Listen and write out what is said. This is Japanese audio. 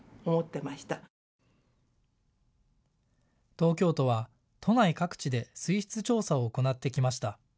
東京都は都内各地で水質調査を行ってきました。